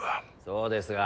そうですが。